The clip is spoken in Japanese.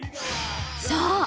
そう！